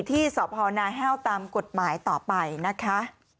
ที่สพนาแห้วตามกฎหมายต่อไปนะคะ